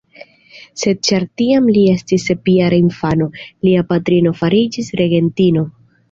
Sed ĉar tiam li estis sepjara infano, lia patrino fariĝis regentino.